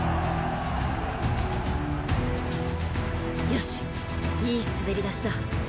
よしいいすべり出しだ。